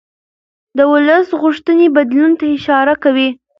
د ولس غوښتنې بدلون ته اشاره کوي